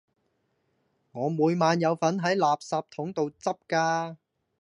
我每晚有份喺垃圾筒度執㗎